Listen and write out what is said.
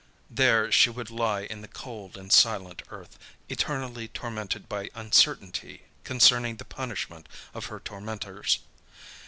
There, she would lie in the cold and silent earth, eternally tormented by uncertainty concerning the punishment of her tormentors.